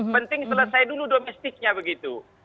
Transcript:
penting selesai dulu domestiknya begitu